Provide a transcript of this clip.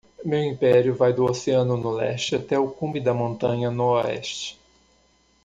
Meu império vai do oceano no leste até o cume da montanha no oeste.